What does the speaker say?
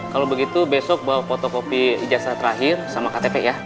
kalau begitu besok bawa fotokopi ijazah terakhir sama ktp ya